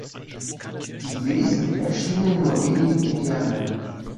Die Wesen erschienen nur wenigen Indianern.